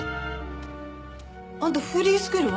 あんたフリースクールは？